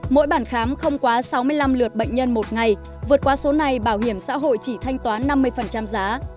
mỗi bản khám không quá sáu mươi năm lượt bệnh nhân một ngày vượt qua số này bảo hiểm xã hội chỉ thanh toán năm mươi giá